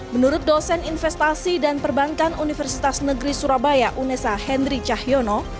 menurut dosen investasi dan perbankan universitas negeri surabaya unesa henry cahyono